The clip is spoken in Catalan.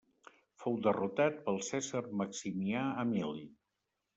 Fou derrotat pel cèsar Maximià Emili.